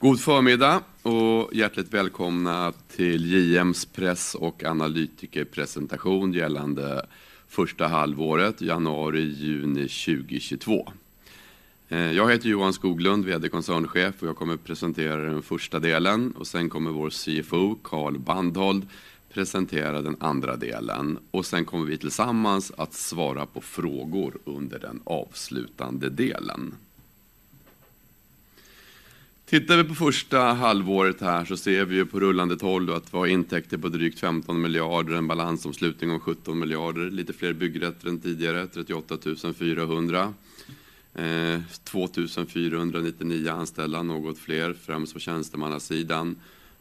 God förmiddag och hjärtligt välkomna till JM:s press- och analytikerpresentation gällande första halvåret januari-juni 2022. Jag heter Johan Skoglund, VD och koncernchef, och jag kommer att presentera den första delen, och sedan kommer vår CFO, Carl Bandholt, presentera den andra delen, och sedan kommer vi tillsammans att svara på frågor under den avslutande delen. Tittar vi på första halvåret här så ser vi på rullande tolv att vi har intäkter på drygt 15 miljarder, en balansomslutning om 17 miljarder, lite fler byggrätter än tidigare, 38 400, 2 499 anställda, något fler, främst på tjänstemannasidan,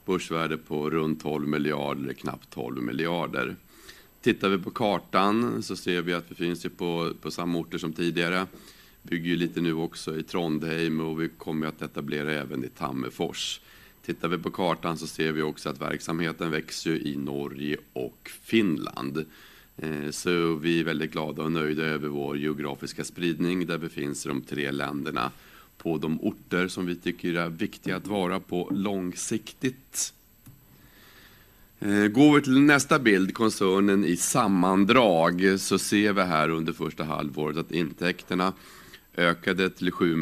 börsvärde på runt 12 miljarder, knappt 12 miljarder. Tittar vi på kartan så ser vi att vi finns på samma orter som tidigare, bygger lite nu också i Trondheim, och vi kommer att etablera även i Tammerfors. Tittar vi på kartan så ser vi också att verksamheten växer ju i Norge och Finland, så vi är väldigt glada och nöjda över vår geografiska spridning där vi finns i de tre länderna på de orter som vi tycker är viktiga att vara på långsiktigt. Går vi till nästa bild, koncernen i sammandrag, så ser vi här under första halvåret att intäkterna ökade till 7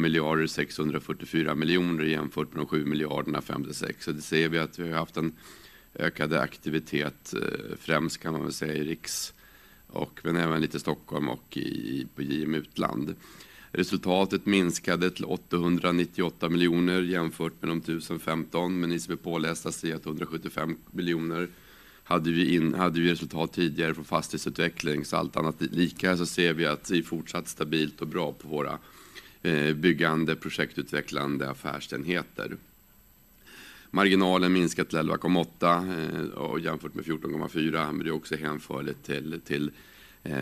644 miljoner jämfört med de 7 556 miljonerna, så det ser vi att vi har haft en ökad aktivitet, främst kan man säga i Riks och men även lite Stockholm och på JM Utland. Resultatet minskade till 898 miljoner jämfört med de 1 015, men ni som är pålästa ser att 175 miljoner hade ju resultat tidigare på fastighetsutveckling, så allt annat lika så ser vi att det är fortsatt stabilt och bra på våra byggande, projektutvecklande affärsenheter. Marginalen minskat till 11,8% jämfört med 14,4%, men det är också jämförligt till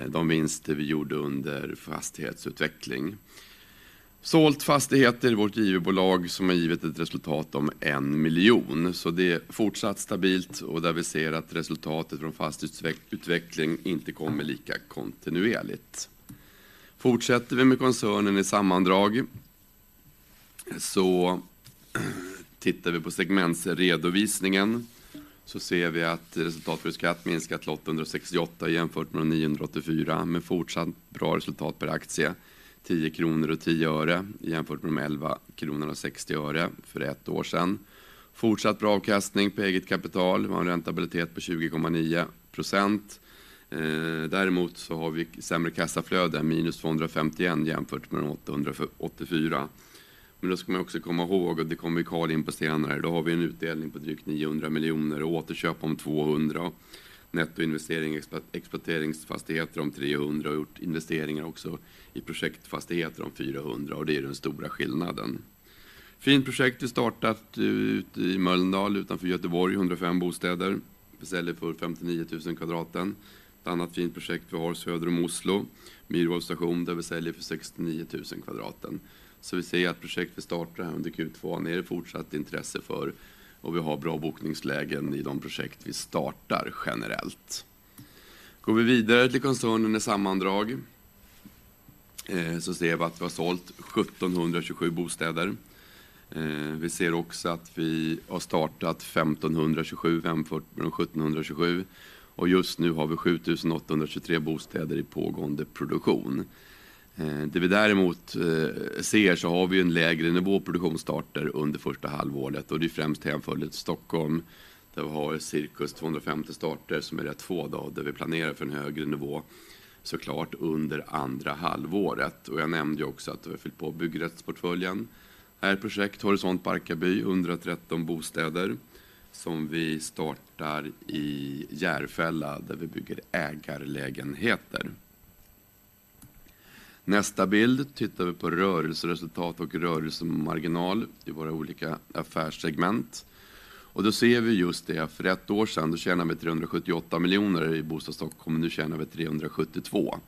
de vinster vi gjorde under fastighetsutveckling. Salt Fastigheter, vårt JV-bolag, som har givit ett resultat om 1 miljon, så det är fortsatt stabilt och där vi ser att resultatet från fastighetsutveckling inte kommer lika kontinuerligt. Fortsätter vi med koncernen i sammandrag, så tittar vi på segmentredovisningen, så ser vi att resultat för skatt minskat till 868 jämfört med de 984, med fortsatt bra resultat per aktie, 10 kronor och 10 öre jämfört med de 11 kronor och 60 öre för ett år sedan. Fortsatt bra avkastning på eget kapital, vi har en räntabilitet på 20,9%. Däremot så har vi sämre kassaflöde, minus 251 jämfört med de 884. Men då ska man ju också komma ihåg, och det kommer vi Carl in på senare, då har vi en utdelning på drygt 900 miljoner och återköp om 200, nettoinvestering i exploateringsfastigheter om 300 och gjort investeringar också i projektfastigheter om 400, och det är den stora skillnaden. Fint projekt vi startat ute i Mölndal utanför Göteborg, 105 bostäder, vi säljer för 59,000 kvadraten. Ett annat fint projekt vi har söder om Oslo, Myrholmsstation, där vi säljer för 69,000 kvadraten. Vi ser att projekt vi startar här under Q2, är det fortsatt intresse för, och vi har bra bokningslägen i de projekt vi startar generellt. Går vi vidare till koncernen i sammandrag, så ser vi att vi har sålt 1,727 bostäder. Vi ser också att vi har startat 1,527 jämfört med de 1,727, och just nu har vi 7,823 bostäder i pågående produktion. Det vi däremot ser, så har vi ju en lägre nivå på produktionsstarter under första halvåret, och det är främst jämfört med Stockholm, där vi har cirka 250 starter som är rätt få, då där vi planerar för en högre nivå såklart under andra halvåret. Jag nämnde ju också att vi har fyllt på byggrättsportföljen. Här är projekt Horisont Parkaby, 113 bostäder, som vi startar i Järfälla, där vi bygger ägarlägenheter. Nästa bild tittar vi på rörelseresultat och rörelsemarginal i våra olika affärssegment. Då ser vi just det, för ett år sedan då tjänade vi 378 miljoner i Bostad Stockholm, och nu tjänar vi 372.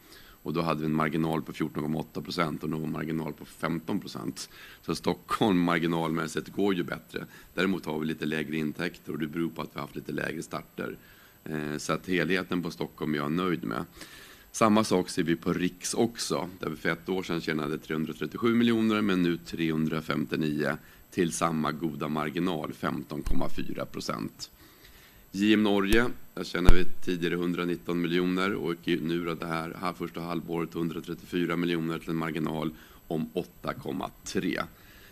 Då hade vi en marginal på 14,8%, och nu har vi en marginal på 15%. Stockholm marginalmässigt går ju bättre. Däremot har vi lite lägre intäkter, och det beror på att vi har haft lite lägre starter. Så att helheten på Stockholm är jag nöjd med. Samma sak ser vi på Riks också, där vi för ett år sedan tjänade 337 miljoner, men nu 359 till samma goda marginal, 15,4%. JM Norge, där tjänade vi tidigare 119 miljoner, och nu är det här första halvåret 134 miljoner till en marginal om 8,3%.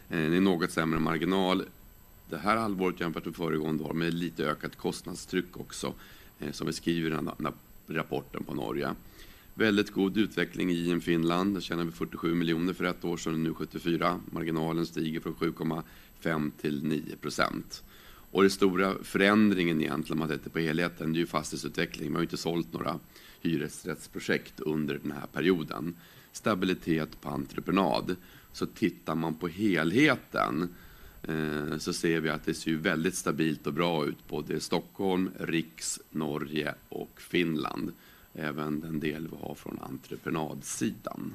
Det är något sämre marginal det här halvåret jämfört med föregående år, med lite ökat kostnadstryck också, som vi skriver i den här rapporten på Norge. Väldigt god utveckling i JM Finland, där tjänade vi 47 miljoner för ett år sedan, och nu 74. Marginalen stiger från 7,5% till 9%. Den stora förändringen egentligen, om man tittar på helheten, det är fastighetsutveckling. Vi har inte sålt några hyresrättsprojekt under den här perioden. Stabilitet på entreprenad. Så tittar man på helheten, så ser vi att det ser ju väldigt stabilt och bra ut både i Stockholm, Riks, Norge och Finland. Även den del vi har från entreprenadsidan.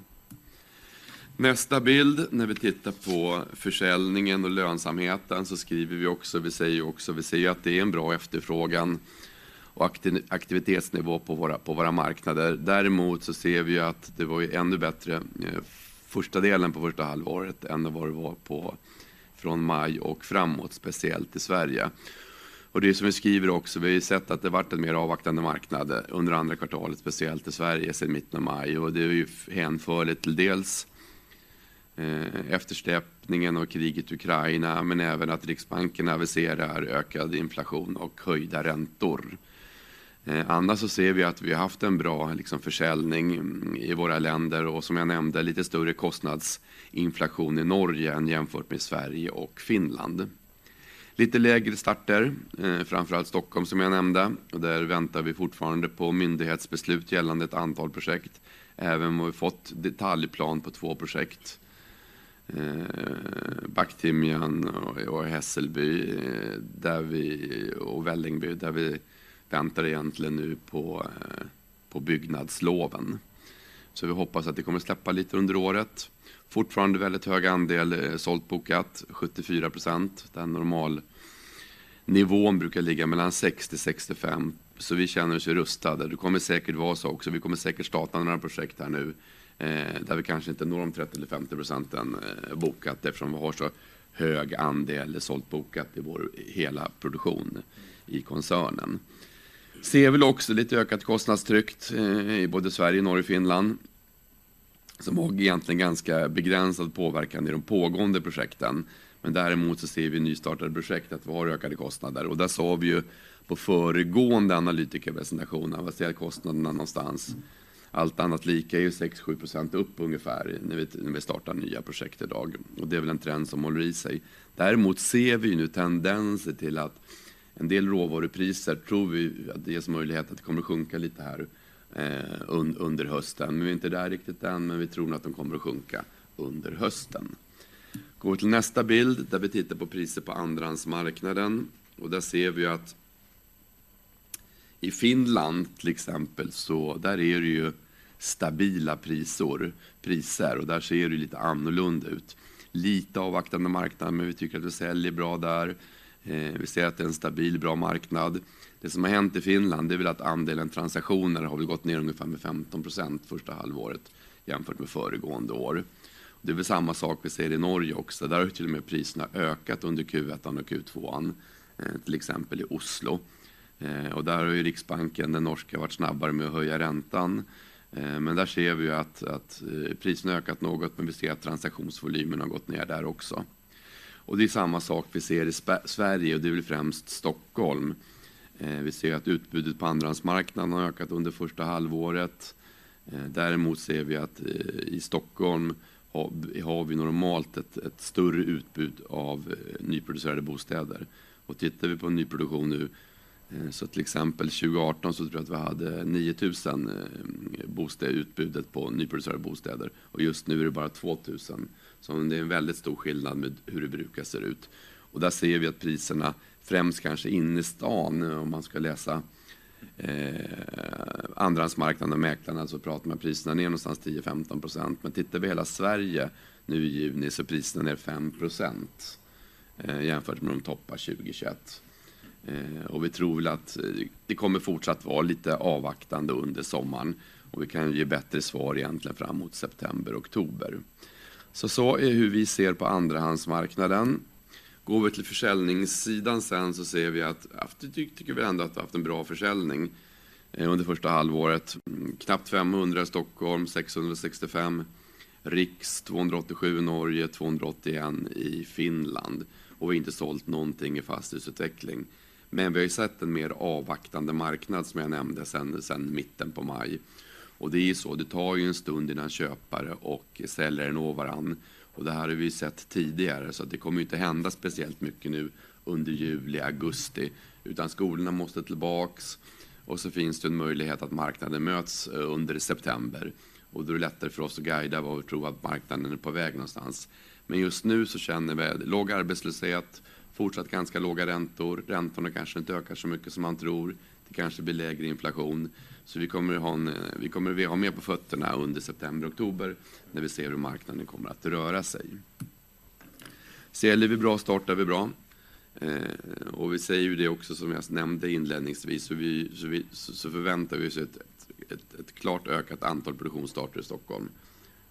Nästa bild, när vi tittar på försäljningen och lönsamheten, så skriver vi också, vi säger ju också, vi ser ju att det är en bra efterfrågan och aktivitetsnivå på våra marknader. Däremot så ser vi ju att det var ju ännu bättre första delen på första halvåret än vad det var från maj och framåt, speciellt i Sverige. Det är ju som vi skriver också, vi har ju sett att det har varit en mer avvaktande marknad under andra kvartalet, speciellt i Sverige sedan mitten av maj, och det är ju hänförligt till dels efter släppningen av kriget i Ukraina, men även att Riksbanken aviserar ökad inflation och höjda räntor. Annars så ser vi att vi har haft en bra försäljning i våra länder, och som jag nämnde, lite större kostnadsinflation i Norge än jämfört med Sverige och Finland. Lite lägre starter, framförallt Stockholm som jag nämnde, och där väntar vi fortfarande på myndighetsbeslut gällande ett antal projekt. Även om vi har fått detaljplan på två projekt, Baktimjan och Hässelby, där vi, och Vällingby, där vi väntar egentligen nu på byggnadsloven. Vi hoppas att det kommer släppa lite under året. Fortfarande väldigt hög andel sålt bokat, 74%. Den normalnivån brukar ligga mellan 60-65%, så vi känner oss ju rustade. Det kommer säkert vara så också, vi kommer säkert starta några projekt här nu, där vi kanske inte når de 30-50% bokat, eftersom vi har så hög andel sålt bokat i vår hela produktion i koncernen. Ser väl också lite ökat kostnadstryck i både Sverige och Norge och Finland, som har egentligen ganska begränsad påverkan i de pågående projekten, men däremot så ser vi i nystartade projekt att vi har ökade kostnader, och där sa vi ju på föregående analytikerpresentation att vi ser att kostnaderna någonstans, allt annat lika, är ju 6-7% upp ungefär när vi startar nya projekt idag, och det är väl en trend som håller i sig. Däremot ser vi ju nu tendenser till att en del råvarupriser, tror vi att det ges möjlighet att det kommer att sjunka lite här under hösten, men vi är inte där riktigt än, men vi tror nog att de kommer att sjunka under hösten. Går vi till nästa bild, där vi tittar på priser på andrahandsmarknaden, och där ser vi att i Finland till exempel, så där är det stabila priser, och där ser det lite annorlunda ut. Lite avvaktande marknad, men vi tycker att vi säljer bra där, vi ser att det är en stabil, bra marknad. Det som har hänt i Finland, det är att andelen transaktioner har gått ner ungefär med 15% första halvåret, jämfört med föregående år. Det är samma sak vi ser i Norge också, där har till och med priserna ökat under Q1 och Q2, till exempel i Oslo, och där har Riksbanken, den norska, varit snabbare med att höja räntan, men där ser vi att priserna har ökat något, men vi ser att transaktionsvolymerna har gått ner där också. Och det är samma sak vi ser i Sverige, och det är väl främst Stockholm. Vi ser att utbudet på andrahandsmarknaden har ökat under första halvåret, däremot ser vi att i Stockholm har vi normalt ett större utbud av nyproducerade bostäder. Och tittar vi på nyproduktion nu, så till exempel 2018 så tror jag att vi hade 9 000 bostäder, utbudet på nyproducerade bostäder, och just nu är det bara 2 000, så det är en väldigt stor skillnad med hur det brukar se ut. Och där ser vi att priserna, främst kanske inne i stan, om man ska läsa andrahandsmarknaden och mäklarna, så pratar man att priserna är någonstans 10-15%, men tittar vi hela Sverige nu i juni så är priserna ner 5%, jämfört med de toppar 2021. Och vi tror väl att det kommer fortsatt vara lite avvaktande under sommaren, och vi kan ge bättre svar egentligen fram mot september och oktober. Så så är hur vi ser på andrahandsmarknaden. Går vi till försäljningssidan sen så ser vi att det tycker vi ändå att vi har haft en bra försäljning under första halvåret, knappt 500 i Stockholm, 665, Riks 287 i Norge, 281 i Finland, och vi har inte sålt någonting i fastighetsutveckling. Men vi har ju sett en mer avvaktande marknad som jag nämnde sedan mitten på maj, och det är ju så, det tar ju en stund innan köpare och säljare når varandra, och det här har vi ju sett tidigare, så att det kommer ju inte hända speciellt mycket nu under juli och augusti, utan skolorna måste tillbaka, och så finns det en möjlighet att marknaden möts under september, och då är det lättare för oss att guida vad vi tror att marknaden är på väg någonstans. Men just nu så känner vi att låg arbetslöshet, fortsatt ganska låga räntor, räntorna kanske inte ökar så mycket som man tror, det kanske blir lägre inflation, så vi kommer att ha mer på fötterna under september och oktober när vi ser hur marknaden kommer att röra sig. Säljer vi bra, startar vi bra, och vi säger ju det också som jag nämnde inledningsvis, så förväntar vi oss ett klart ökat antal produktionsstarter i Stockholm.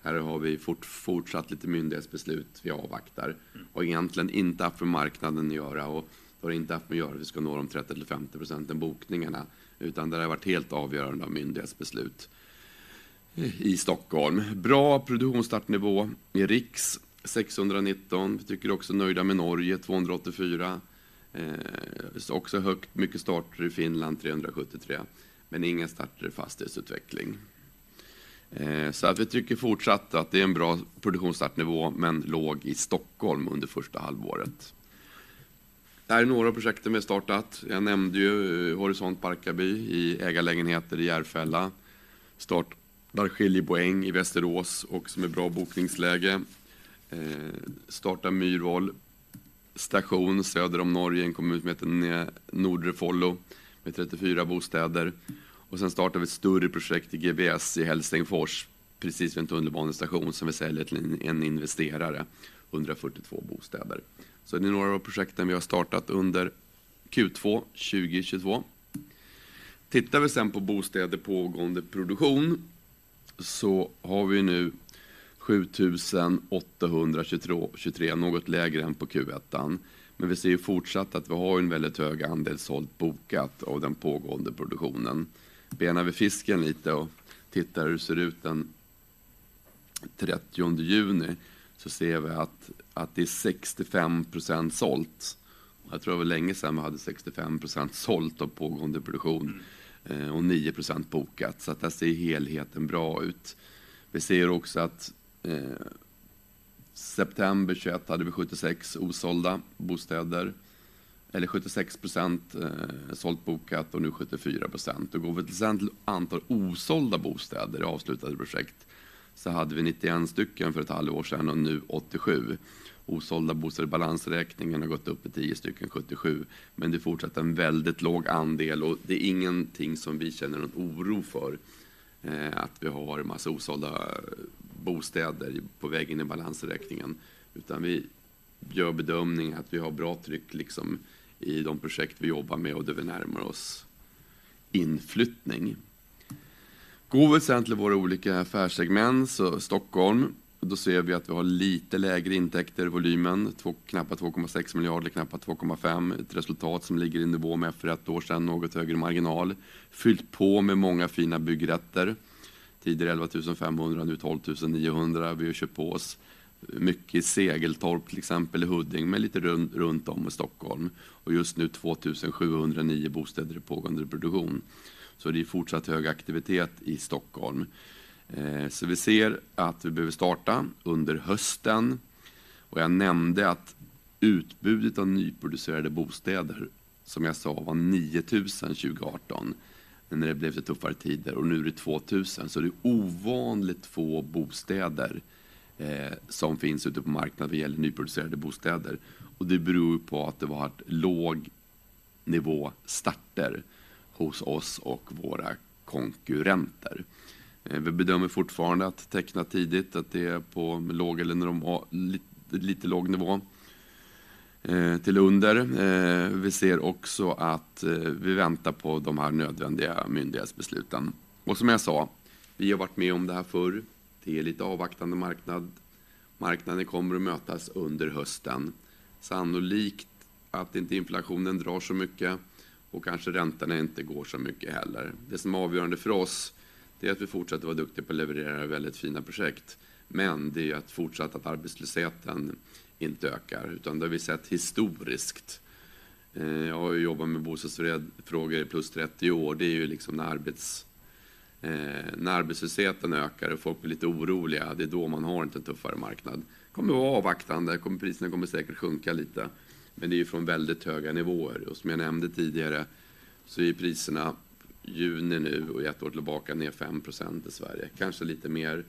Här har vi fortsatt lite myndighetsbeslut vi avvaktar, och egentligen inte haft med marknaden att göra, och det har inte haft med att göra att vi ska nå de 30-50% bokningarna, utan det har varit helt avgörande av myndighetsbeslut i Stockholm. Bra produktionsstartnivå i Riks, 619, vi tycker också nöjda med Norge, 284, också högt, mycket starter i Finland, 373, men inga starter i fastighetsutveckling. Vi tycker fortsatt att det är en bra produktionsstartnivå, men låg i Stockholm under första halvåret. Det här är några av projekten vi har startat. Jag nämnde ju Horisont Parkaby i ägarlägenheter i Järfälla, startar Skiljeboäng i Västerås också med bra bokningsläge, startar Myrvoll station söder om Norge, en kommun som heter Nordre Follo med 34 bostäder, och sen startar vi ett större projekt i GBS i Helsingfors, precis vid en tunnelbanestation som vi säljer till en investerare, 142 bostäder. Så det är några av projekten vi har startat under Q2 2022. Tittar vi sen på bostäder pågående produktion så har vi nu 7,823, något lägre än på Q1, men vi ser fortsatt att vi har en väldigt hög andel sålt bokat av den pågående produktionen. Benar vi fisken lite och tittar hur det ser ut den 30 juni så ser vi att det är 65% sålt. Jag tror det var länge sedan vi hade 65% sålt av pågående produktion och 9% bokat, så att där ser helheten bra ut. Vi ser också att september 2021 hade vi 76 osålda bostäder, eller 76% sålt bokat och nu 74%. Går vi till sen antal osålda bostäder i avslutade projekt så hade vi 91 stycken för ett halvår sedan och nu 87. Osålda bostäder i balansräkningen har gått upp till 10 stycken, 77, men det är fortsatt en väldigt låg andel och det är ingenting som vi känner någon oro för, att vi har en massa osålda bostäder på väg in i balansräkningen, utan vi gör bedömningen att vi har bra tryck i de projekt vi jobbar med och där vi närmar oss inflyttning. Går vi sen till våra olika affärssegment så Stockholm, då ser vi att vi har lite lägre intäkter i volymen, knappa 2,6 miljarder, knappa 2,5, ett resultat som ligger i nivå med för ett år sedan, något högre marginal, fyllt på med många fina byggrätter, tidigare 11 500, nu 12 900, vi har kört på oss mycket i Segeltorp till exempel i Huddinge, men lite runt om i Stockholm, och just nu 2 709 bostäder i pågående produktion, så det är fortsatt hög aktivitet i Stockholm. Vi ser att vi behöver starta under hösten, och jag nämnde att utbudet av nyproducerade bostäder som jag sa var 9 000 2018, men när det blev lite tuffare tider och nu är det 2 000, så är det ovanligt få bostäder som finns ute på marknaden vad gäller nyproducerade bostäder. Det beror på att det varit låg nivå starter hos oss och våra konkurrenter. Vi bedömer fortfarande att teckna tidigt, att det är på låg eller lite låg nivå till under. Vi ser också att vi väntar på de här nödvändiga myndighetsbesluten, och som jag sa, vi har varit med om det här förr, det är lite avvaktande marknad. Marknaden kommer att mötas under hösten, sannolikt att inte inflationen drar så mycket och kanske räntorna inte går så mycket heller. Det som är avgörande för oss, det är att vi fortsätter vara duktiga på att leverera väldigt fina projekt, men det är att fortsätta att arbetslösheten inte ökar, utan det har vi sett historiskt. Jag har jobbat med bostadsfrågor i plus 30 år, det är när arbetslösheten ökar och folk blir lite oroliga, det är då man har en lite tuffare marknad. Det kommer att vara avvaktande, priserna kommer säkert sjunka lite, men det är från väldigt höga nivåer, och som jag nämnde tidigare så är priserna juni nu och ett år tillbaka ner 5% i Sverige, kanske lite mer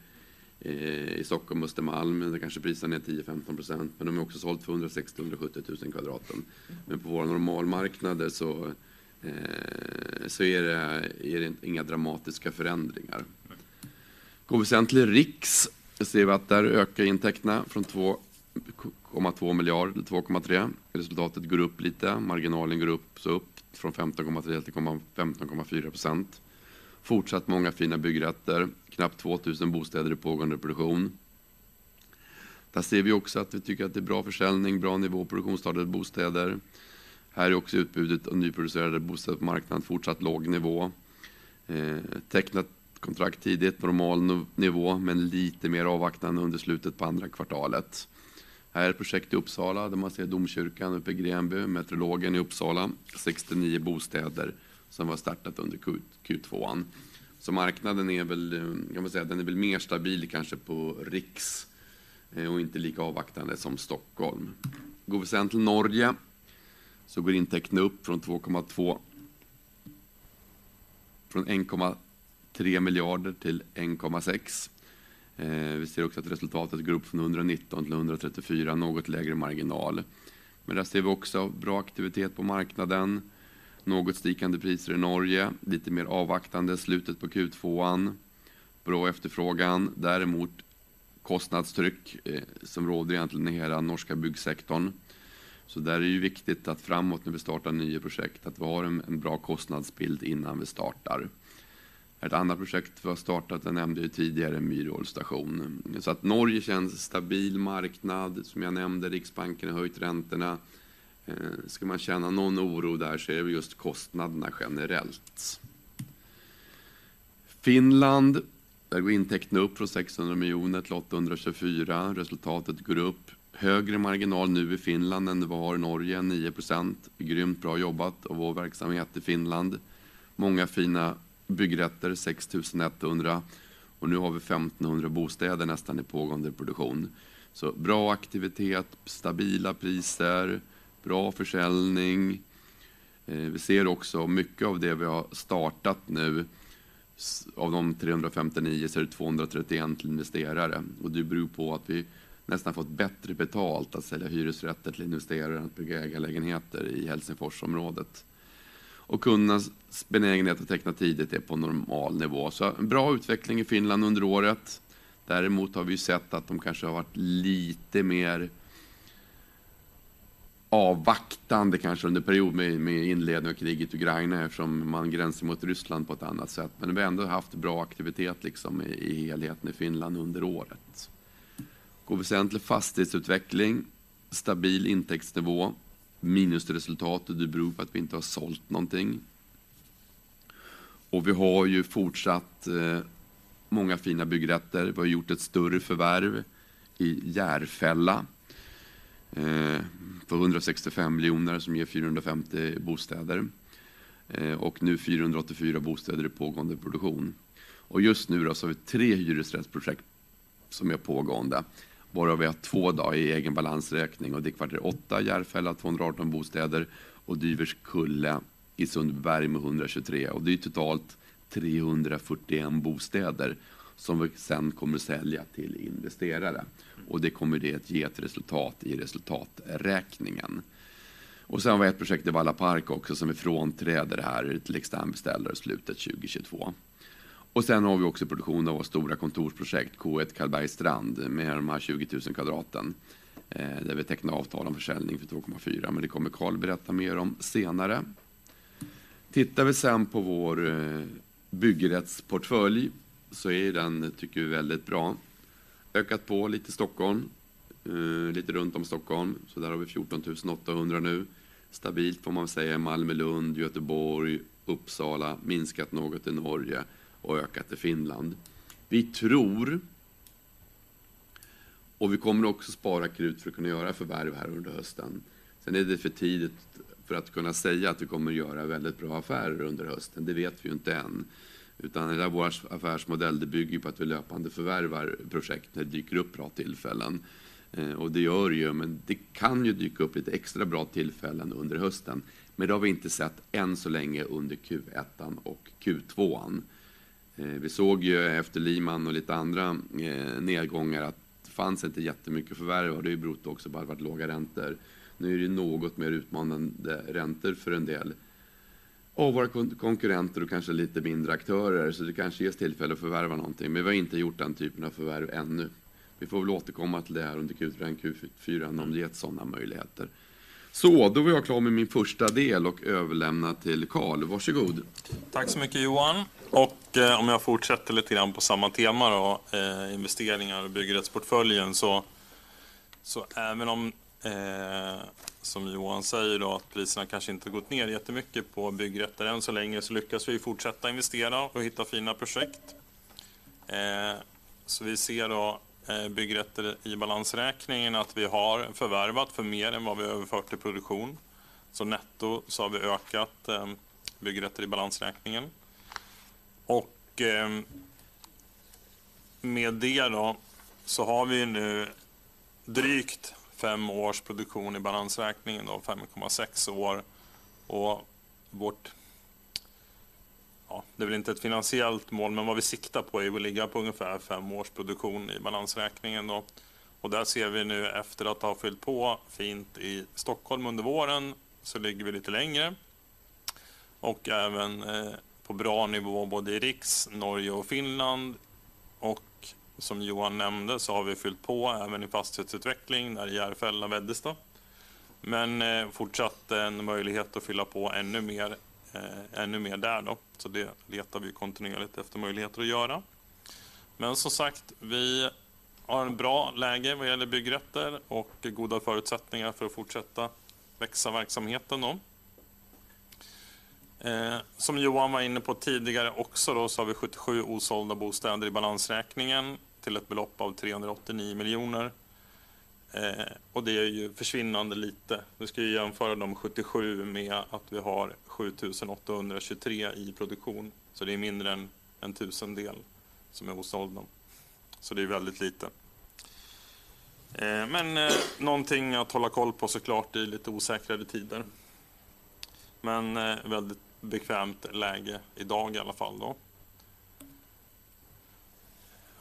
i Stockholm och Östermalm, men det kanske priserna är ner 10-15%, men de är också sålda för 160 000-170 000 kr per kvadratmeter, men på våra normalmarknader så är det inga dramatiska förändringar. Går vi sen till Riks, ser vi att där ökar intäkterna från 2,2 miljarder, 2,3, resultatet går upp lite, marginalen går upp så upp från 15,3% till 15,4%, fortsatt många fina byggrätter, knappt 2 000 bostäder i pågående produktion. Där ser vi också att vi tycker att det är bra försäljning, bra nivå på produktionsstartade bostäder, här är också utbudet av nyproducerade bostäder på marknaden fortsatt låg nivå, tecknat kontrakt tidigt, normal nivå, men lite mer avvaktande under slutet på andra kvartalet. Här är ett projekt i Uppsala där man ser Domkyrkan uppe i Greanby, Metrologen i Uppsala, 69 bostäder som har startat under Q2, så marknaden är väl, kan man säga, den är väl mer stabil kanske på Riks och inte lika avvaktande som Stockholm. Går vi sen till Norge så går intäkterna upp från 2,2, från 1,3 miljarder till 1,6, vi ser också att resultatet går upp från 119 till 134, något lägre marginal, men där ser vi också bra aktivitet på marknaden, något stigande priser i Norge, lite mer avvaktande i slutet på Q2, bra efterfrågan, däremot kostnadstryck som råder egentligen i hela norska byggsektorn, så där är det viktigt att framåt när vi startar nya projekt att vi har en bra kostnadsbild innan vi startar. Här är ett annat projekt vi har startat, jag nämnde tidigare Myrvoll station, så att Norge känns stabil marknad som jag nämnde, Riksbanken har höjt räntorna, ska man känna någon oro där så är det väl just kostnaderna generellt. Finland, där går intäkterna upp från 600 miljoner till 824, resultatet går upp, högre marginal nu i Finland än det var i Norge, 9%, grymt bra jobbat av vår verksamhet i Finland, många fina byggrätter, 6 100, och nu har vi 1 500 bostäder nästan i pågående produktion, så bra aktivitet, stabila priser, bra försäljning. Vi ser också mycket av det vi har startat nu, av de 359 så är det 231 investerare, och det beror på att vi nästan har fått bättre betalt att sälja hyresrätter till investerare än att bygga ägarlägenheter i Helsingforsområdet, och kundernas benägenhet att teckna tidigt är på normal nivå, så en bra utveckling i Finland under året. Däremot har vi sett att de kanske har varit lite mer avvaktande under period med inledningen av kriget i Ukraina eftersom man gränsar mot Ryssland på ett annat sätt, men vi har ändå haft bra aktivitet i helheten i Finland under året. Går vi sen till fastighetsutveckling, stabil intäktsnivå, minusresultat och det beror på att vi inte har sålt någonting, och vi har ju fortsatt många fina byggrätter. Vi har gjort ett större förvärv i Järfälla för 165 miljoner som ger 450 bostäder, och nu 484 bostäder i pågående produktion. Just nu så har vi tre hyresrättsprojekt som är pågående, varav vi har två dagar i egen balansräkning och det är kvartal 8, Järfälla 218 bostäder och Dyvers Kulla i Sundbyberg med 123, och det är totalt 341 bostäder som vi sen kommer att sälja till investerare, och det kommer att ge ett resultat i resultaträkningen. Sen har vi ett projekt i Valla Park också som vi frånträder här till extern beställare slutet 2022, och sen har vi också produktion av vårt stora kontorsprojekt K1 Karlbergsstrand med de här 20 000 kvadraten, där vi tecknar avtal om försäljning för 2,4, men det kommer Carl berätta mer om senare. Tittar vi sen på vår byggrättsportfölj så är den tycker vi väldigt bra, ökat på lite i Stockholm, lite runt om Stockholm, så där har vi 14,800 nu, stabilt får man väl säga, Malmö, Lund, Göteborg, Uppsala, minskat något i Norge och ökat i Finland. Vi tror, och vi kommer också spara krut för att kunna göra förvärv här under hösten. Sen är det för tidigt för att kunna säga att vi kommer att göra väldigt bra affärer under hösten, det vet vi ju inte än, utan det här vår affärsmodell det bygger ju på att vi löpande förvärvar projekt när det dyker upp bra tillfällen, och det gör det ju, men det kan ju dyka upp lite extra bra tillfällen under hösten, men det har vi inte sett än så länge under Q1 och Q2. Vi såg ju efter Lehman och lite andra nedgångar att det fanns inte jättemycket förvärv, och det beror också på att det har varit låga räntor. Nu är det ju något mer utmanande räntor för en del av våra konkurrenter och kanske lite mindre aktörer, så det kanske ges tillfälle att förvärva någonting, men vi har inte gjort den typen av förvärv ännu. Vi får väl återkomma till det här under Q3 och Q4 om det ges sådana möjligheter. Då var jag klar med min första del och överlämnar till Carl, varsågod. Tack så mycket Johan, och om jag fortsätter lite grann på samma tema då, investeringar och byggrättsportföljen, så även om, som Johan säger då, att priserna kanske inte har gått ner jättemycket på byggrätter än så länge, så lyckas vi ju fortsätta investera och hitta fina projekt, så vi ser då byggrätter i balansräkningen att vi har förvärvat för mer än vad vi har överfört i produktion, så netto så har vi ökat byggrätter i balansräkningen, och med det då så har vi ju nu drygt fem års produktion i balansräkningen då, 5,6 år, och vårt, ja, det är väl inte ett finansiellt mål, men vad vi siktar på är ju att ligga på ungefär fem års produktion i balansräkningen då, och där ser vi nu efter att ha fyllt på fint i Stockholm under våren, så ligger vi lite längre, och även på bra nivå både i Riks, Norge och Finland, och som Johan nämnde så har vi fyllt på även i fastighetsutveckling där i Järfälla och Veddestad, men fortsatt en möjlighet att fylla på ännu mer, ännu mer där då, så det letar vi ju kontinuerligt efter möjligheter att göra, men som sagt vi har ett bra läge vad gäller byggrätter och goda förutsättningar för att fortsätta växa verksamheten då. Som Johan var inne på tidigare också då så har vi 77 osålda bostäder i balansräkningen till ett belopp av 389 miljoner, och det är ju försvinnande lite, vi ska ju jämföra de 77 med att vi har 7 823 i produktion, så det är mindre än en tusendel som är osålda, så det är ju väldigt lite, men någonting att hålla koll på såklart i lite osäkrare tider, men väldigt bekvämt läge idag i alla fall då.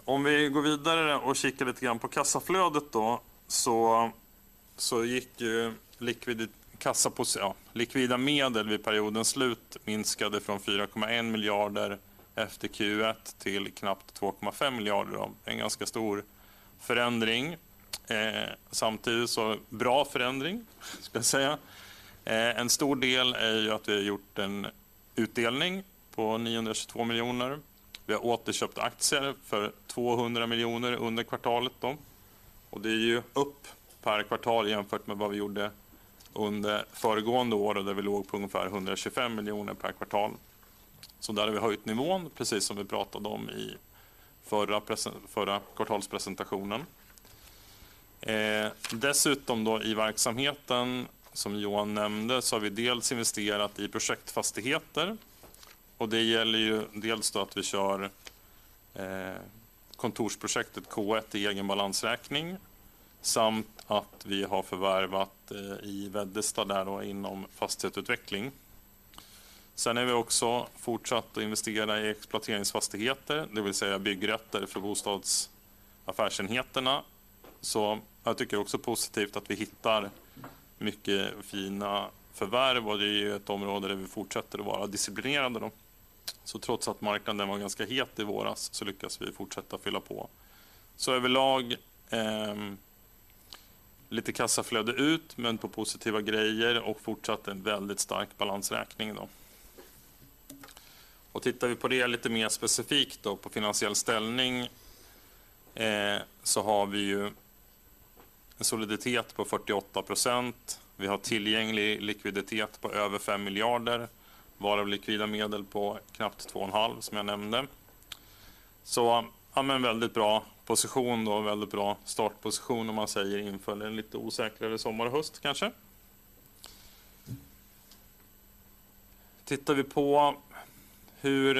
Om vi går vidare och kikar lite grann på kassaflödet då, så likvida medel vid periodens slut minskade från 4,1 miljarder efter Q1 till knappt 2,5 miljarder då, en ganska stor förändring, samtidigt så bra förändring ska jag säga, en stor del är ju att vi har gjort en utdelning på 922 miljoner, vi har återköpt aktier för 200 miljoner under kvartalet då, och det är ju upp per kvartal jämfört med vad vi gjorde under föregående år och där vi låg på ungefär 125 miljoner per kvartal, så där har vi höjt nivån precis som vi pratade om i förra kvartalspresentationen, dessutom då i verksamheten som Johan nämnde så har vi dels investerat i projektfastigheter, och det gäller ju dels då att vi kör kontorsprojektet K1 i egen balansräkning, samt att vi har förvärvat i Veddestad där då inom fastighetsutveckling, sen är vi också fortsatt att investera i exploateringsfastigheter, det vill säga byggrätter för bostadsaffärsenheterna, så jag tycker också positivt att vi hittar mycket fina förvärv och det är ju ett område där vi fortsätter att vara disciplinerade då, så trots att marknaden var ganska het i våras så lyckas vi fortsätta fylla på, så överlag lite kassaflöde ut men på positiva grejer och fortsatt en väldigt stark balansräkning då. Tittar vi på det lite mer specifikt då på finansiell ställning så har vi ju en soliditet på 48%, vi har tillgänglig likviditet på över 5 miljarder, varav likvida medel på knappt 2,5 som jag nämnde, så en väldigt bra position då, en väldigt bra startposition om man säger inför en lite osäkrare sommar och höst kanske. Tittar vi på hur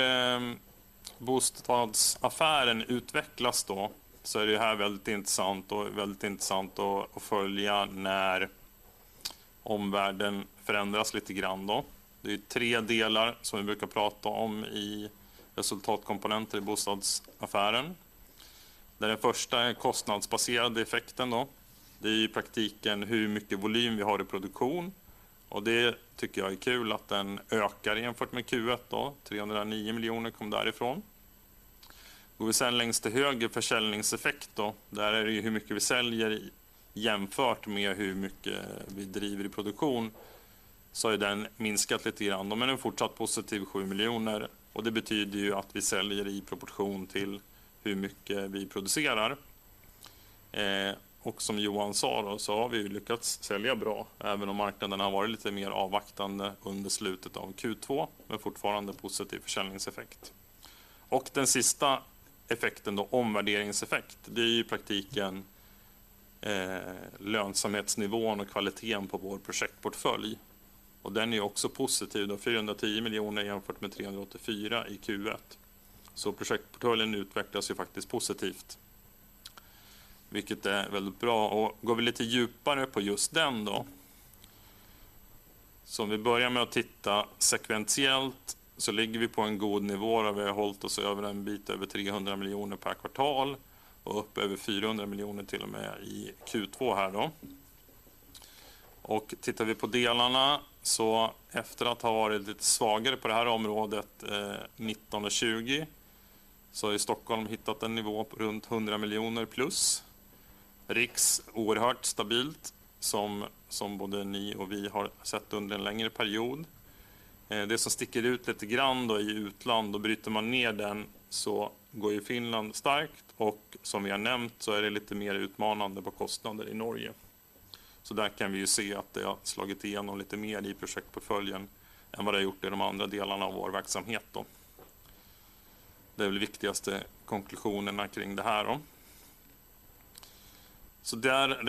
bostadsaffären utvecklas då så är det ju här väldigt intressant och väldigt intressant att följa när omvärlden förändras lite grann då, det är ju tre delar som vi brukar prata om i resultatkomponenter i bostadsaffären, där den första är kostnadsbaserade effekten då, det är ju i praktiken hur mycket volym vi har i produktion och det tycker jag är kul att den ökar jämfört med Q1 då, 309 miljoner kom därifrån, går vi sen längst till höger försäljningseffekt då, där är det ju hur mycket vi säljer jämfört med hur mycket vi driver i produktion så har ju den minskat lite grann då, men den är fortsatt positiv 7 miljoner och det betyder ju att vi säljer i proportion till hur mycket vi producerar och som Johan sa då så har vi ju lyckats sälja bra även om marknaden har varit lite mer avvaktande under slutet av Q2, men fortfarande positiv försäljningseffekt och den sista effekten då, omvärderingseffekt, det är ju i praktiken lönsamhetsnivån och kvaliteten på vår projektportfölj och den är ju också positiv då, 410 miljoner jämfört med 384 i Q1, så projektportföljen utvecklas ju faktiskt positivt, vilket är väldigt bra och går vi lite djupare på just den då, så om vi börjar med att titta sekventiellt så ligger vi på en god nivå där vi har hållit oss över en bit över 300 miljoner per kvartal och upp över 400 miljoner till och med i Q2 här då och tittar vi på delarna så efter att ha varit lite svagare på det här området 2019 och 2020 så har ju Stockholm hittat en nivå på runt 100 miljoner plus, Riks oerhört stabilt som som både ni och vi har sett under en längre period, det som sticker ut lite grann då i utland och bryter man ner den så går ju Finland starkt och som vi har nämnt så är det lite mer utmanande på kostnader i Norge, så där kan vi ju se att det har slagit igenom lite mer i projektportföljen än vad det har gjort i de andra delarna av vår verksamhet då, det är väl viktigaste konklusionerna kring det här då.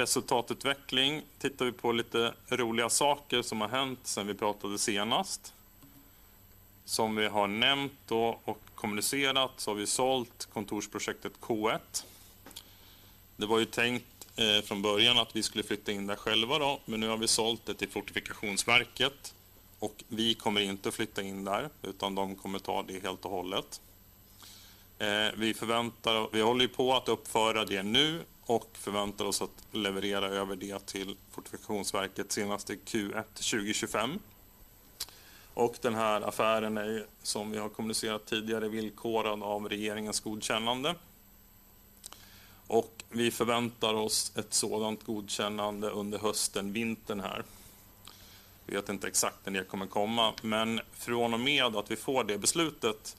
Resultatutveckling tittar vi på lite roliga saker som har hänt sen vi pratade senast, som vi har nämnt då och kommunicerat så har vi sålt kontorsprojektet K1, det var ju tänkt från början att vi skulle flytta in där själva då, men nu har vi sålt det till Fortifikationsverket och vi kommer inte att flytta in där utan de kommer ta det helt och hållet, vi förväntar oss, vi håller ju på att uppföra det nu och förväntar oss att leverera över det till Fortifikationsverket senaste Q1 2025 och den här affären är ju som vi har kommunicerat tidigare villkorad av regeringens godkännande och vi förväntar oss ett sådant godkännande under hösten vintern här, vi vet inte exakt när det kommer komma, men från och med att vi får det beslutet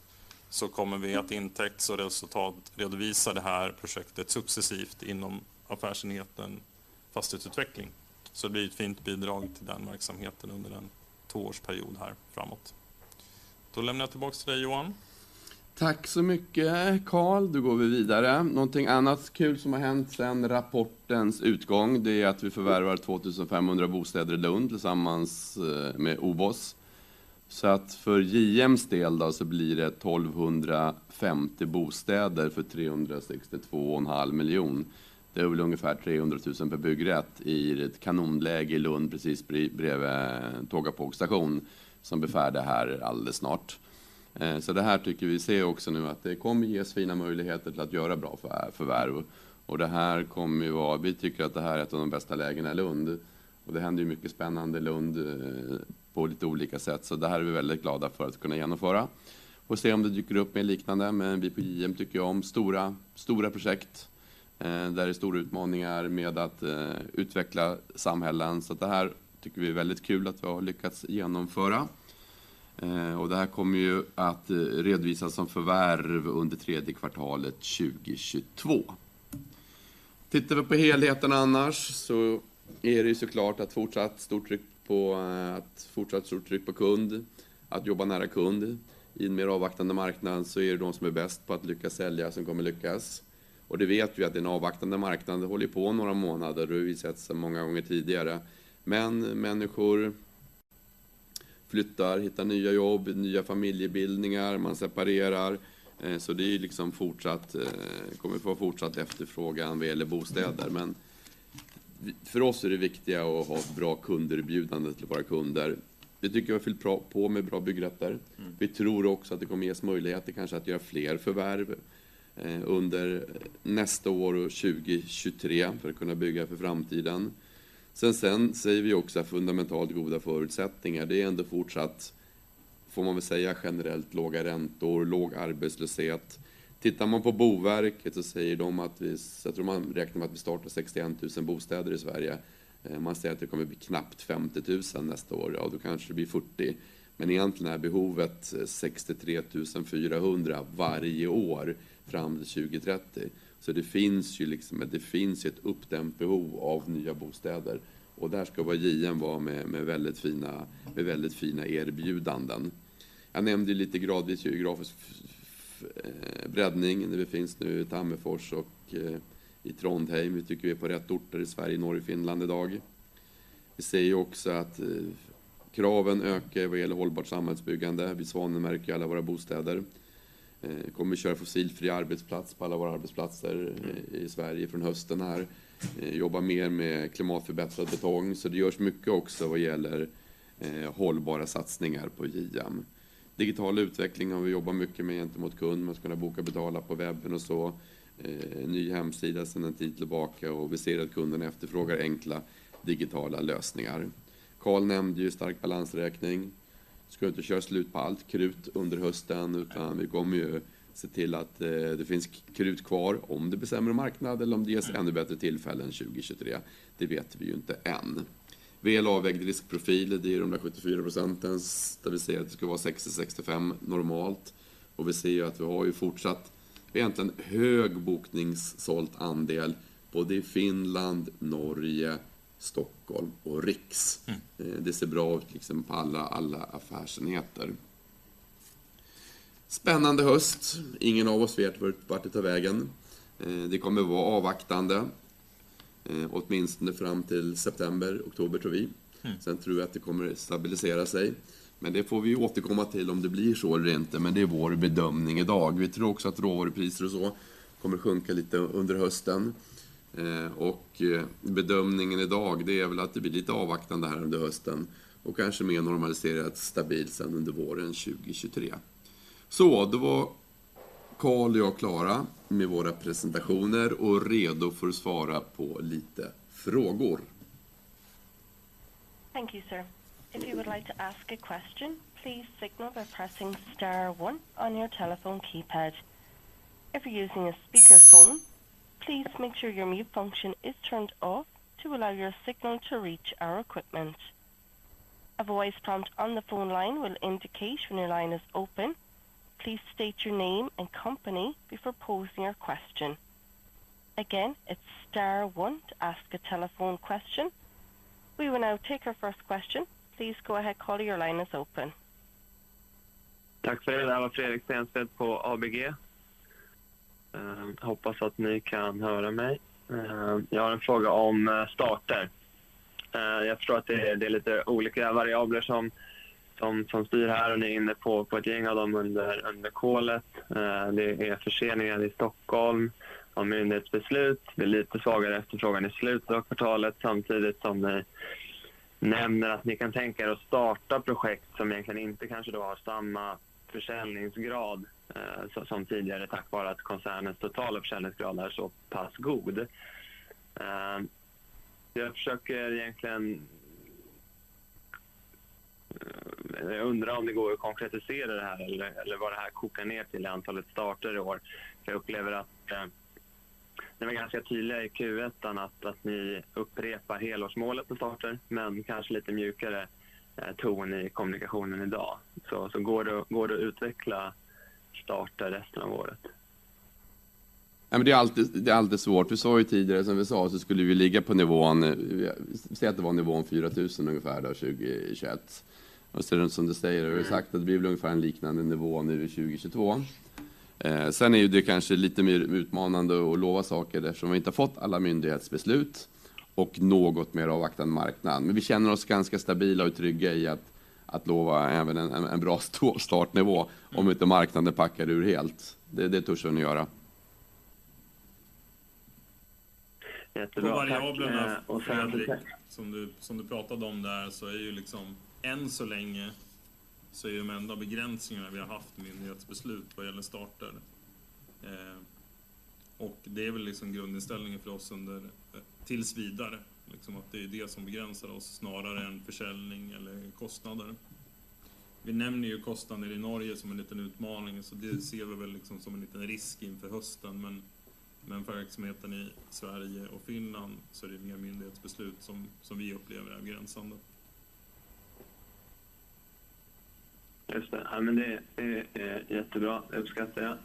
så kommer vi att intäkts och resultatredovisa det här projektet successivt inom affärsenheten fastighetsutveckling, så det blir ett fint bidrag till den verksamheten under en tvåårsperiod här framåt, då lämnar jag tillbaka till dig Johan. Tack så mycket Carl, då går vi vidare. Någonting annat kul som har hänt sen rapportens utgång, det är att vi förvärvar 2500 bostäder i Lund tillsammans med OBOS, så för JMs del då så blir det 1250 bostäder för 362,5 miljoner. Det är väl ungefär 300 000 för byggrätt i ett kanonläge i Lund precis bredvid Tågapågstation som befärdar här alldeles snart, så det här tycker vi ser också nu att det kommer att ges fina möjligheter till att göra bra förvärv och det här kommer ju vara, vi tycker att det här är ett av de bästa lägena i Lund och det händer ju mycket spännande i Lund på lite olika sätt, så det här är vi väldigt glada för att kunna genomföra och se om det dyker upp mer liknande. Vi på JM tycker jag om stora, stora projekt, där det är stora utmaningar med att utveckla samhällen, så det här tycker vi är väldigt kul att vi har lyckats genomföra och det här kommer ju att redovisas som förvärv under tredje kvartalet 2022. Tittar vi på helheten annars så är det ju såklart att fortsatt stort tryck på, att fortsatt stort tryck på kund, att jobba nära kund, i en mer avvaktande marknad så är det de som är bäst på att lyckas sälja som kommer att lyckas och det vet vi att det är en avvaktande marknad, det håller ju på några månader, och det har vi sett så många gånger tidigare. Människor flyttar, hittar nya jobb, nya familjebildningar, man separerar, så det är ju fortsatt, kommer vi få fortsatt efterfrågan vad gäller bostäder. För oss är det viktiga att ha ett bra kunderbjudande till våra kunder, vi tycker vi har fyllt på med bra byggrätter, vi tror också att det kommer ges möjligheter kanske att göra fler förvärv under nästa år och 2023 för att kunna bygga för framtiden. Sen säger vi också att fundamentalt goda förutsättningar, det är ändå fortsatt, får man väl säga generellt låga räntor, låg arbetslöshet. Tittar man på Boverket så säger de att vi, sätter man räknar med att vi startar 61 000 bostäder i Sverige, man säger att det kommer bli knappt 50 000 nästa år, ja då kanske det blir 40, men egentligen är behovet 63 400 varje år fram till 2030, så det finns ju ett uppdämt behov av nya bostäder och där ska vara JM vara med väldigt fina, med väldigt fina erbjudanden. Jag nämnde ju lite gradvis geografisk breddning, det finns nu i Tammerfors och i Trondheim, vi tycker vi är på rätt orter i Sverige och norr i Finland idag. Vi ser ju också att kraven ökar vad gäller hållbart samhällsbyggande, vi svanemärker ju alla våra bostäder, vi kommer köra fossilfri arbetsplats på alla våra arbetsplatser i Sverige från hösten här, jobba mer med klimatförbättrad betong, så det görs mycket också vad gäller hållbara satsningar på JM. Digital utveckling har vi jobbat mycket med gentemot kund, man ska kunna boka och betala på webben och så, ny hemsida sen en tid tillbaka och vi ser att kunderna efterfrågar enkla digitala lösningar. Carl nämnde ju stark balansräkning, ska vi inte köra slut på allt krut under hösten utan vi kommer ju se till att det finns krut kvar om det blir sämre marknad eller om det ges ännu bättre tillfällen 2023, det vet vi ju inte än. Avvägd riskprofil, det är de där 74% där vi säger att det ska vara 60-65% normalt och vi ser ju att vi har ju fortsatt egentligen hög bokningssåld andel både i Finland, Norge, Stockholm och Riks, det ser bra ut på alla affärsenheter. Spännande höst, ingen av oss vet vart det tar vägen, det kommer vara avvaktande åtminstone fram till september, oktober tror vi, sen tror jag att det kommer stabilisera sig, men det får vi ju återkomma till om det blir så eller inte, men det är vår bedömning idag. Vi tror också att råvarupriser och så kommer sjunka lite under hösten och bedömningen idag det är väl att det blir lite avvaktande här under hösten och kanske mer normaliserat stabilt sen under våren 2023. Då var Carl och jag klara med våra presentationer och redo för att svara på lite frågor. Thank you sir. If you would like to ask a question, please signal by pressing star one on your telephone keypad. If you're using a speakerphone, please make sure your mute function is turned off to allow your signal to reach our equipment. A voice prompt on the phone line will indicate when your line is open. Please state your name and company before posing your question. Again, it's star one to ask a telephone question. We will now take our first question. Please go ahead Carl, your line is open. Tack för det. Där var Fredrik Stenstedt på ABG. Hoppas att ni kan höra mig. Jag har en fråga om starter. Jag förstår att det är lite olika variabler som styr här och ni är inne på ett gäng av dem under kvartalet. Det är förseningar i Stockholm av myndighetsbeslut, det är lite svagare efterfrågan i slutet av kvartalet samtidigt som ni nämner att ni kan tänka att starta projekt som egentligen inte kanske då har samma försäljningsgrad som tidigare tack vare att koncernens totala försäljningsgrad är så pass god. Jag försöker egentligen undra om det går att konkretisera det här eller vad det här kokar ner till i antalet starter i år, för jag upplever att ni var ganska tydliga i Q1 att ni upprepar helårsmålet med starter men kanske lite mjukare ton i kommunikationen idag. Så går det att utveckla starter resten av året? Nej men det är alltid svårt, vi sa ju tidigare som vi sa så skulle vi ligga på nivån, säg att det var nivån 4000 ungefär då 2021, och ser det ut som du säger, det har sagt att det blir väl ungefär en liknande nivå nu i 2022, sen är ju det kanske lite mer utmanande att lova saker eftersom vi inte har fått alla myndighetsbeslut och något mer avvaktande marknad, men vi känner oss ganska stabila och trygga i att lova även en bra startnivå om inte marknaden packar ur helt, det törs vi göra. Jättebra. Och variablerna som du pratade om där så är ju liksom. Än så länge så är ju de enda begränsningarna vi har haft med myndighetsbeslut vad gäller starter, och det är väl liksom grundinställningen för oss under tills vidare, att det är ju det som begränsar oss snarare än försäljning eller kostnader. Vi nämner ju kostnader i Norge som en liten utmaning, så det ser vi väl som en liten risk inför hösten, men för verksamheten i Sverige och Finland så är det ju mer myndighetsbeslut som vi upplever är begränsande. Just det, ja men det är jättebra, det uppskattar jag,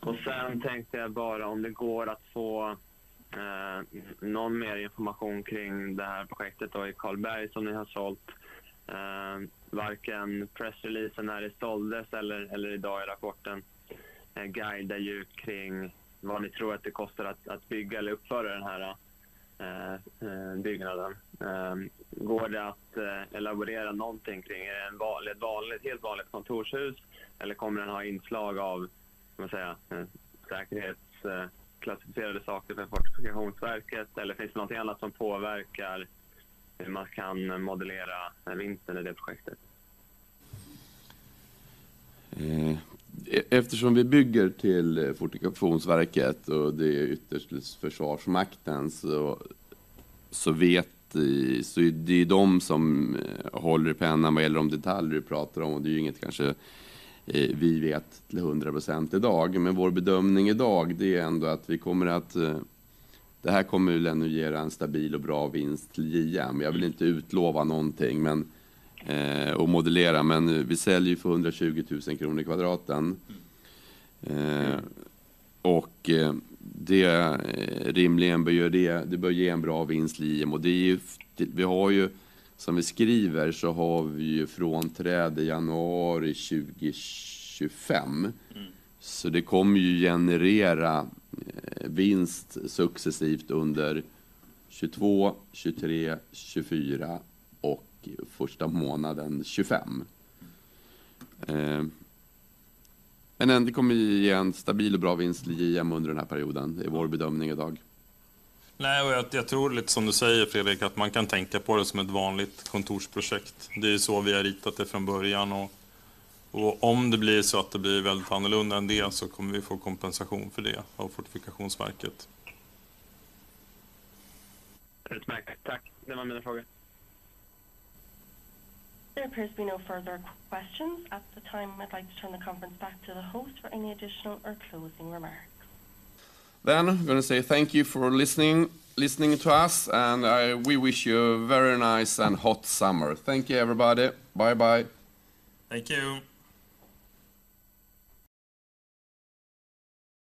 och sen tänkte jag bara om det går att få någon mer information kring det här projektet då i Karlberg som ni har sålt. Varken pressreleasen när det såldes eller idag i rapporten guida djupt kring vad ni tror att det kostar att bygga eller uppföra den här byggnaden. Går det att elaborera någonting kring, är det ett vanligt helt vanligt kontorshus eller kommer den ha inslag av, vad ska man säga, säkerhetsklassificerade saker för Fortifikationsverket eller finns det något annat som påverkar hur man kan modellera vinsten i det projektet? Eftersom vi bygger till Fortifikationsverket och det är ytterst Försvarsmaktens, så är det ju de som håller i pennan vad gäller de detaljer vi pratar om, och det är ju inget kanske vi vet till 100% idag, men vår bedömning idag det är ändå att vi kommer att, det här kommer väl ändå ge en stabil och bra vinst till JM. Jag vill inte utlova någonting men och modellera, men vi säljer ju för 120 000 kronor per kvadratmeter och det rimligen bör ju det, det bör ge en bra vinst till JM och det är ju, vi har ju som vi skriver så har vi ju från tredje januari 2025, så det kommer ju generera vinst successivt under 2022, 2023, 2024 och första månaden 2025, men ändå kommer vi ge en stabil och bra vinst till JM under den här perioden, det är vår bedömning idag. Nej och jag tror lite som du säger Fredrik att man kan tänka på det som ett vanligt kontorsprojekt, det är ju så vi har ritat det från början och om det blir så att det blir väldigt annorlunda än det så kommer vi få kompensation för det av Fortifikationsverket. Utmärkt, tack, det var mina frågor. There appears to be no further questions at the time, I'd like to turn the conference back to the host for any additional or closing remarks. I'm going to say thank you for listening to us and we wish you a very nice and hot summer, thank you everybody, bye bye. Thank you.